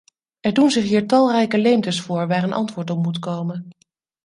Er doen zich hier talrijke leemtes voor waar een antwoord op moet komen.